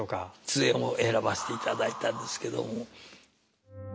「通圓」を選ばせていただいたんですけども。